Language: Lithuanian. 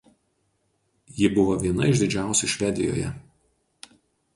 Ji buvo viena iš didžiausių Švedijoje.